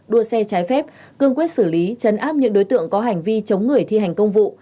đua xe trái phép cương quyết xử lý chấn áp những đối tượng có hành vi chống người thi hành công vụ